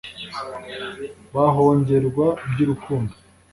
bahongerwa iby’urukundo